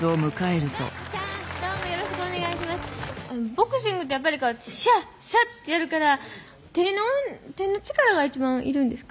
ボクシングってやっぱりシャッシャッってやるから手の力が一番いるんですか？